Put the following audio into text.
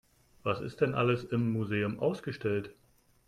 Was ist denn alles im Museum ausgestellt?